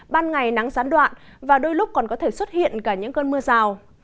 ban ngày nắng gián đoạn và đôi lúc còn có thể xuất hiện cả những cơn mưa rào